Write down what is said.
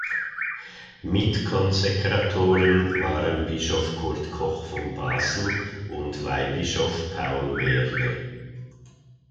Mitkonsekratoren waren Bischof Kurt Koch von Basel und Weihbischof Paul Wehrle.